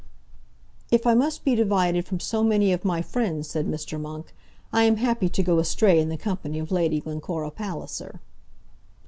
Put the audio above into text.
"If I must be divided from so many of my friends," said Mr. Monk, "I am happy to go astray in the company of Lady Glencora Palliser."